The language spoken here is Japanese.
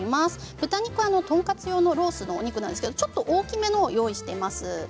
豚肉はトンカツ用のロースの肉ですがちょっと大きめのものを用意しています。